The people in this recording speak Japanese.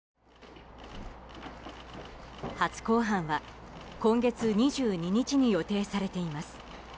初公判は今月２２日に予定されています。